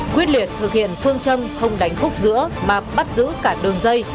quyết liệt thực hiện phương châm không đánh khúc giữa mà bắt giữ cả đường dây